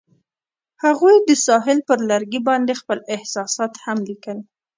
هغوی د ساحل پر لرګي باندې خپل احساسات هم لیکل.